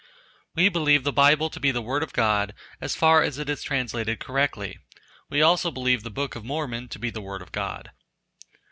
We believe the bible to be the word of God as far as it is translated correctly; we also believe the Book of Mormon to be the word of God.